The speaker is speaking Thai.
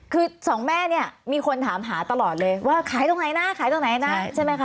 คือสองแม่เนี่ยมีคนถามหาตลอดเลยว่าขายตรงไหนนะขายตรงไหนนะใช่ไหมคะ